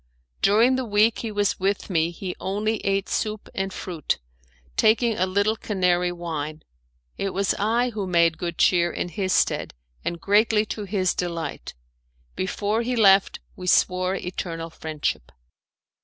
During the week he was with me he only ate soup and fruit, taking a little Canary wine. It was I who made good cheer in his stead and greatly to his delight. Before he left we swore eternal friendship.